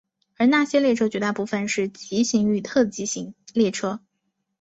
而那些列车绝大部分是急行与特急列车。